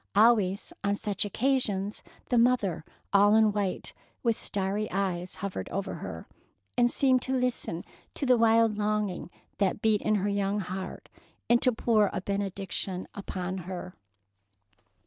Always on such occasions the mother all in white, with starry eyes, hovered over her, and seemed to listen to the wild longing that beat in her young heart, and to pour a benediction upon her.